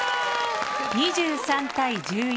２３対１１。